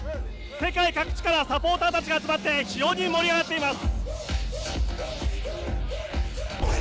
世界各地からサポーターたちが集まって非常に盛り上がっています。